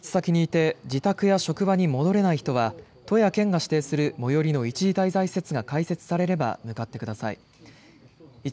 外出先にいて自宅や職場にも戻れない人は都や県が指定する最寄りの一時滞在施設が開設されれば向かってください。